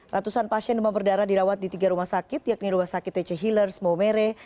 ratusan pasien demam berdarah dirawat di tiga rumah sakit yakni rumah sakit tc healers maumere